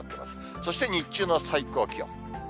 そして日中の最高気温。